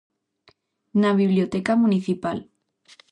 Na biblioteca municipal.